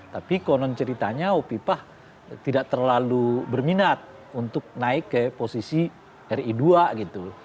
tapi konon ceritanya hopipa tidak terlalu berminat untuk naik ke posisi ri dua gitu